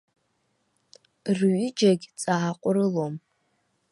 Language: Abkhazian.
Рҩыџьагь ҵааҟәрылом.